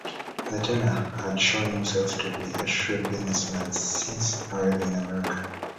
The tenor had shown himself to be a shrewd businessman since arriving in America.